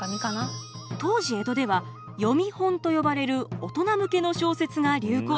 当時江戸では読本と呼ばれる大人向けの小説が流行。